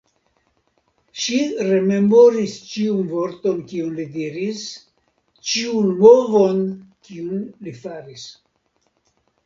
Ŝi rememoris ĉiun vorton, kiun li diris, ĉiun movon, kiun li faris.